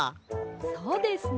そうですね。